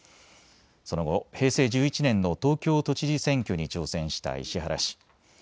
その後、平成１１年の東京都知事選挙に挑戦した石原氏。